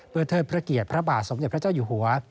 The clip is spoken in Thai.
เพื่อเทิดพระเกียรติพระบาทสมเด็จพระเจ้าอยู่หัว